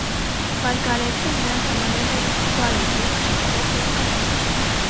Մարգարեթը նրան համարել էր «բարեկիրթ, շփվող և գրավիչ»։